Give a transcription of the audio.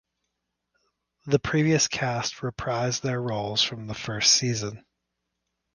The previous cast reprised their roles from the first season.